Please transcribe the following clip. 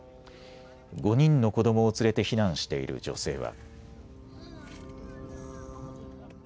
５人の子どもを連れて避難している女性は。